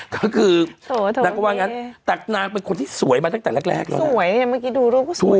ก็คือนางมีเบบีแฟส